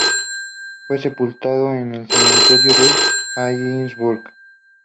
Fue sepultado en el cementerio de Harrisburg.